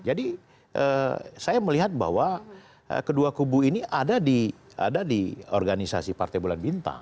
jadi saya melihat bahwa kedua kubu ini ada di organisasi partai bulan bintang